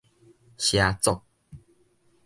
畲族